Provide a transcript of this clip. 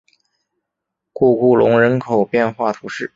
库库龙人口变化图示